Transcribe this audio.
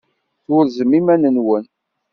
Turzem iman-nwen.